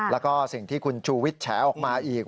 แล้วก็สิ่งที่คุณชูวิทย์แฉออกมาอีก